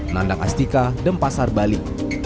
nandak astika dempasar bali